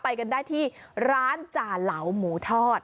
ไปกันได้ที่ร้านจ่าเหลาหมูทอด